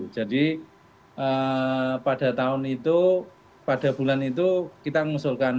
jadi pada tahun itu pada bulan itu kita mengusulkan